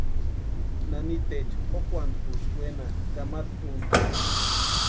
Naniteecha kókwantkuksï wenatʼi kamata úni.